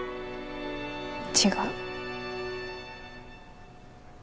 違う。